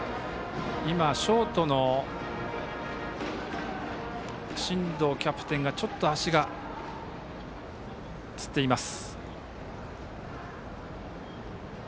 今、ショートの進藤キャプテンがちょっと足がつっています。